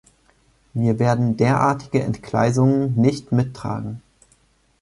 Wir werden derartige Entgleisungen nicht mittragen.